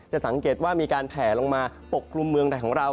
สังเกตว่ามีการแผลลงมาปกกลุ่มเมืองไทยของเรา